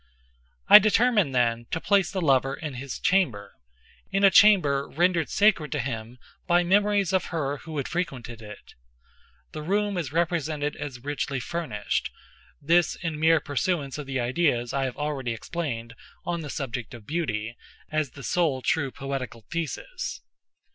I determined, then, to place the lover in his chamber—in a chamber rendered sacred to him by memories of her who had frequented it. The room is represented as richly furnished—this in mere pursuance of the ideas I have already explained on the subject of Beauty, as the sole true poetical thesis.